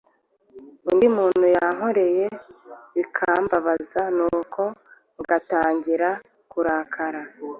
undi muntu yankoreye bikambabaza, nuko ngatangira kurakara.